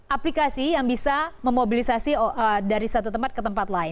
aplikasi yang bisa memobilisasi dari satu tempat ke tempat lain